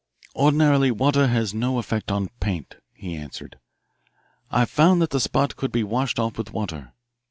"Ordinarily, water has no effect on paint," he answered. "I found that the spot could be washed off with water.